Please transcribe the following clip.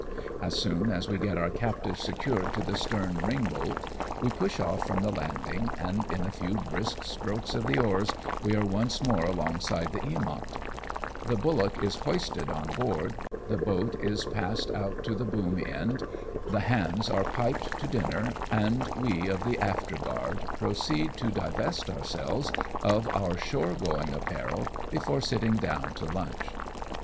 As soon as we get our captive secured to the stern ring bolt, we push off from the landing, and in a few brisk strokes of the oars we are once more alongside the EamonL The bullock is hoisted on board ; the boat is passed out to the boom end, the hands are piped to dinner, and we of the after guard proceed to divest ourselves of our shore going apparel before sitting down to lunch.